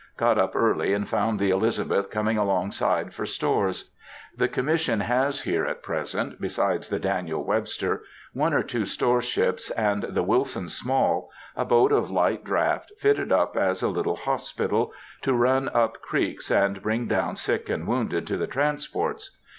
Got up early and found the Elizabeth coming along side for stores. The Commission has here at present, besides the Daniel Webster, one or two store ships, and the Wilson Small, a boat of light draught, fitted up as a little hospital, to run up creeks and bring down sick and wounded to the transports.